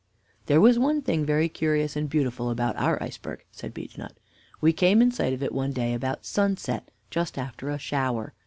"There was one thing very curious and beautiful about our iceberg," said Beechnut. "We came in sight of it one day about sunset, just after a shower.